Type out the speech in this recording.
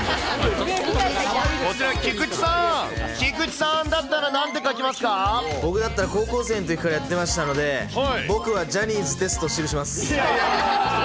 菊池さん、菊池さんだったら僕だったら、高校生のときからやってましたので、僕はジャニーズですと記します。